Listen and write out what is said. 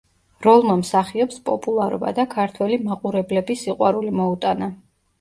როლმა მსახიობს პოპულარობა და ქართველი მაყურებლების სიყვარული მოუტანა.